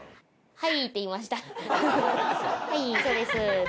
「はいそうです」って。